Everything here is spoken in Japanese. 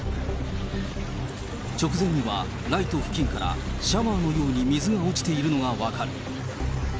直前にはライト付近から、シャワーのように水が落ちているのが分かる。